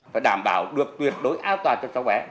phải đảm bảo được tuyệt đối an toàn